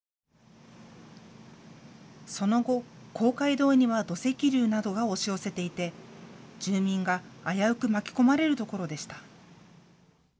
その後、公会堂には土石流などが押し寄せていて住民が危うく巻き込まれるところでした。